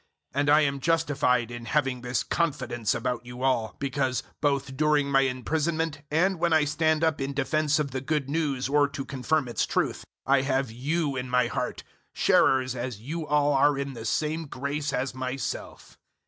001:007 And I am justified in having this confidence about you all, because, both during my imprisonment and when I stand up in defence of the Good News or to confirm its truth, I have you in my heart, sharers as you all are in the same grace as myself.